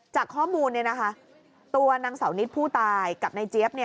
จากข้อมูลตัวนางเสานิดผู้ตายกับนายเจี๊ยบ